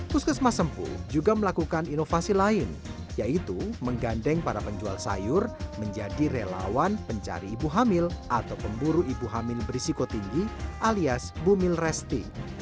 puskesmas sempu juga melakukan inovasi lain yaitu menggandeng para penjual sayur menjadi relawan pencari ibu hamil atau pemburu ibu hamil berisiko tinggi alias bumil resti